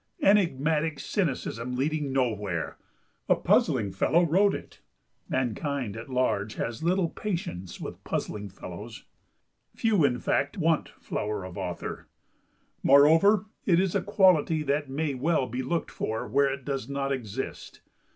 Enigmatic cynicism leading nowhere! A puzzling fellow wrote it! Mankind at large has little patience with puzzling fellows. Few, in fact, want flower of author. Moreover, it is a quality that may well be looked for where it does not exist.